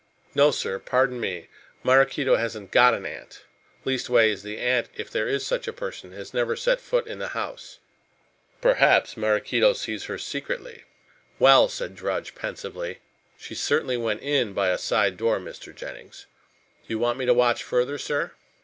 "No, sir, pardon me. Maraquito hasn't got an aunt. Leastways the aunt, if there is such a person, has never set foot in the house." "Perhaps Maraquito sees her secretly." "Well," said Drudge pensively, "she certainly went in by a side door, Mr. Jennings. Do you want me to watch further, sir?"